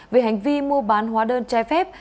về hành vi mua bán hóa đơn trai phép